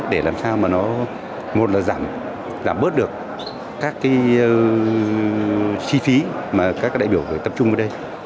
để làm sao mà nó giảm bớt được các chi phí mà các đại biểu tập trung ở đây